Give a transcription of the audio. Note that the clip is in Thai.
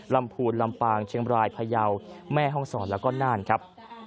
พูนลำปางเชียงบรายพยาวแม่ห้องศรแล้วก็น่านครับ